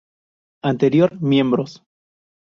Anterior miembros